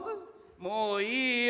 もういいよ！